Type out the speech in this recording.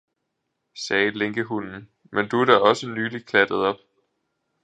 sagde lænkehunden, men du er da også nylig klattet op!